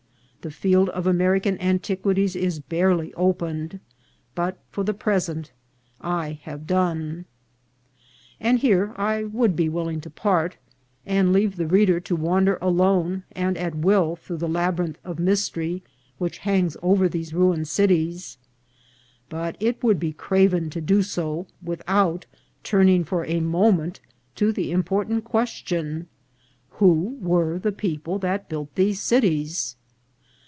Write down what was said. The field of American antiquities is barely opened ; but for the pres ent I have done. And here I would be willing to part, and leave the reader to wander alone and at will through the laby rinth of mystery which hangs over these ruined cities ; but it would be craven to do so, without turning for a moment to the important question, Who were the peo ple that built these cities